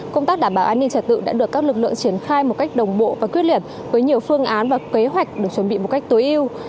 công tác đảm bảo an ninh trật tự đã được các lực lượng triển khai một cách đồng bộ và quyết liệt với nhiều phương án và kế hoạch được chuẩn bị một cách tối ưu